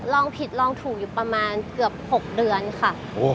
ลองผิดลองถูกอยู่ประมาณเกือบ๖เดือนค่ะ